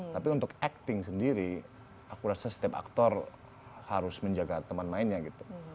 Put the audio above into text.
tapi untuk acting sendiri aku rasa setiap aktor harus menjaga teman mainnya gitu